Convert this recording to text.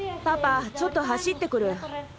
パパちょっと走ってくる。